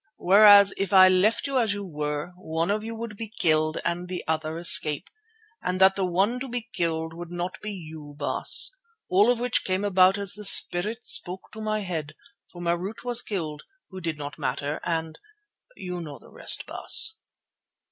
Whereas if I left you as you were, one of you would be killed and the other escape, and that the one to be killed would not be you, Baas. All of which came about as the Spirit spoke in my head, for Marût was killed, who did not matter, and—you know the rest, Baas."